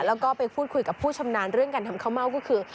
แล้วก็ไปพูดคุยกับผู้ชำนาญเรื่องการทำข้าวเม่าก็คือ